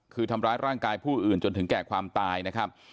คือทำร้ายร่างกายผู้อื่นจนถึงแก่ความตายนะครับ